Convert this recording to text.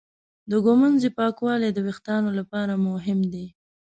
د ږمنځې پاکوالی د وېښتانو لپاره مهم دی.